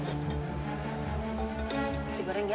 nasi goreng ya